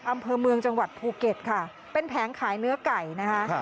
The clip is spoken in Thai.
อำเภอเมืองจังหวัดภูเก็ตค่ะเป็นแผงขายเนื้อไก่นะคะ